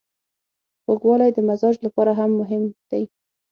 خوږوالی د مزاج لپاره هم مهم دی.